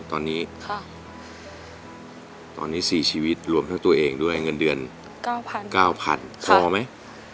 ตอนนี้สี่ชีวิตรวมทั้งตัวเองด้วยเงินเงิน๙๐๐๐บาทพอไหม